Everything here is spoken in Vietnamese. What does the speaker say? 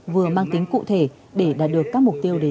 vừa mang tính cụ thể để đạt được các mục tiêu đề ra